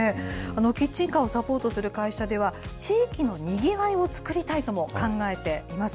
キッチンカーをサポートする会社では、地域のにぎわいを作りたいとも考えています。